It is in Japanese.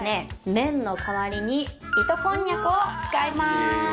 麺の代わりに糸コンニャクを使います。